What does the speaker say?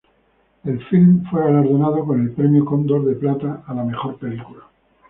El filme fue galardonado con el Premio Cóndor de Plata a la mejor película.